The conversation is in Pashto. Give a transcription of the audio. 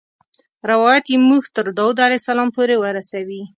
روایت یې موږ تر داود علیه السلام پورې ورسوي.